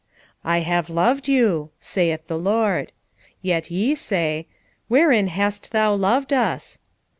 1:2 I have loved you, saith the LORD. Yet ye say, Wherein hast thou loved us?